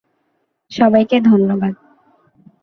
সবাইকে ধন্যবাদ।